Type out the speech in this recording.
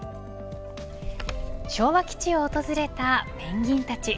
昭和基地を訪れたペンギンたち。